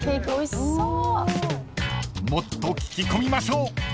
［もっと聞き込みましょう］